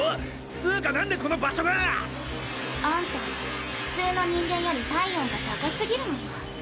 つうか何でこの場所が⁉あんた普通の人間より体温が高過ぎるのよ。